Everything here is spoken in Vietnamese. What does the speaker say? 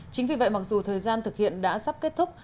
chính vì vậy mặc dù thời gian thực hiện đã sắp kết thúc